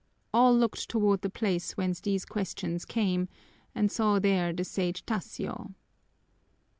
All looked toward the place whence these questions came and saw there the Sage Tasio.